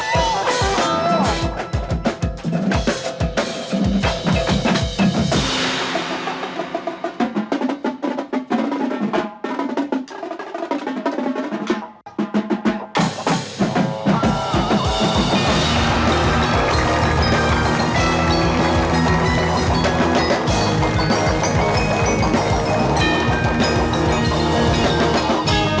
สวัสดีครับ